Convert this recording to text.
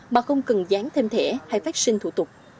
mà không cần dán thêm thẻ hay phát sinh thủ tục